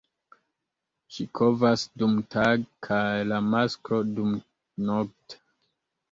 Ŝi kovas dumtage kaj la masklo dumnokte.